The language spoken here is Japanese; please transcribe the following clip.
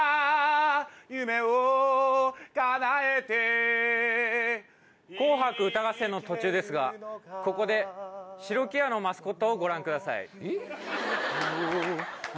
夢を叶えて『紅白歌合戦』の途中ですがここで白木屋のマスコットをご覧ください。